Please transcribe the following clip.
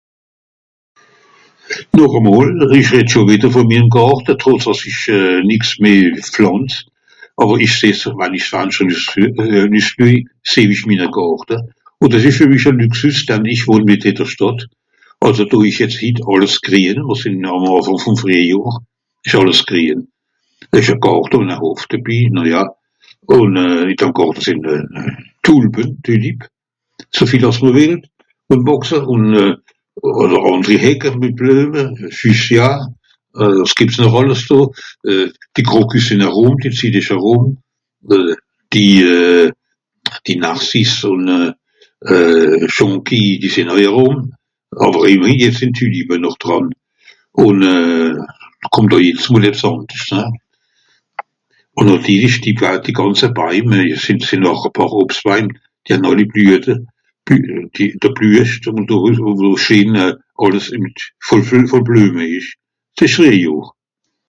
Je parle encore une fois de mon jardin alors que je ne plante plus rien mais en regardant par le fenêtre je vous mon jardin car je n'habite pas en ville C 'est le début du printemps, tout est vert il y a un jardin et une cour. dans le jardin il y a des tulipes, autant qu'on veut, des autres haies avec des fleurs, il y a aussi des crocus, mais c'est passé, ainsi que les narcisses et jonquilles, mais les tulipes sont encore là et il y a tous les arbres fruitiers en pleine floraison C est le printemps